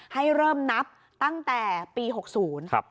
ให้เริ่มนับตั้งแต่ปี๖๐ครับ